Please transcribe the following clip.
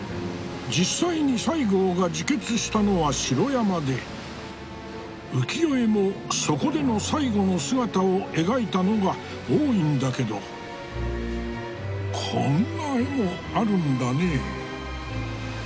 実際に西郷が自決したのは城山で浮世絵もそこでの最期の姿を描いたのが多いんだけどこんな絵もあるんだね。